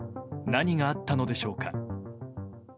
何があったのでしょうか。